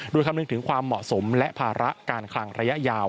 โดยคำนึงถึงความเหมาะสมและภาระการคลังระยะยาว